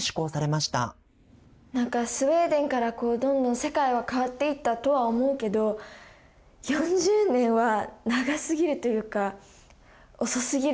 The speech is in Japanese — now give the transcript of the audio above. なんかスウェーデンからこうどんどん世界は変わっていったとは思うけど４０年は長すぎるというか遅すぎるなっていうふうに感じました。